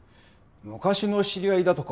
昔の知り合いだとか。